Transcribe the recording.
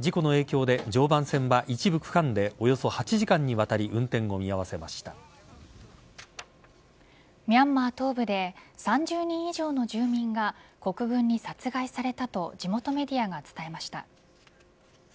事故の影響で常磐線は一部区間でおよそ８時間にわたりミャンマー東部で３０人以上の住民が国軍に殺害されたと地元メディアが伝えました。